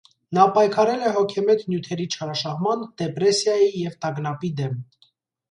Նա պայքարել է հոգեմետ նյութերի չարաշահման, դեպրեսիայի և տագնապի դեմ։